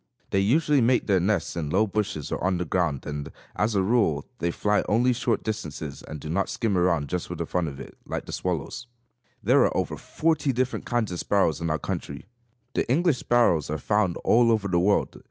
They usually make their nests in low bushes or on the ground and, as a rule, they fly only short distances, and do not skim around just for the fun of it, like the swallows. There are over forty different kinds of sparrows in our country. The English sparrows are found all over the world.